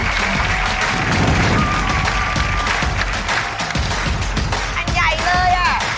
เดี๋ยวไปกระเด็นล่ะ